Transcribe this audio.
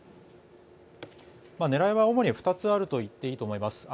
狙いは主に２つあると言っていいと思います。